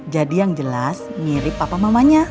jadi yang jelas mirip papa mamanya